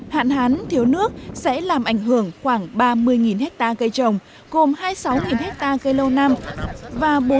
hạn hán thiếu nước sẽ làm ảnh hưởng khoảng ba mươi ha cây trồng gồm hai mươi sáu ha cây lâu năm và